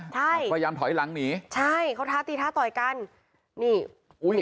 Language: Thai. ใช่พยายามถอยหลังหนีใช่เขาท้าตีท้าต่อยกันนี่อุ้ย